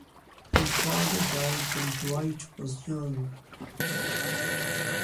His father died when Dwight was young.